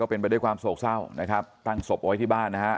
เป็นไปด้วยความโศกเศร้านะครับตั้งศพเอาไว้ที่บ้านนะฮะ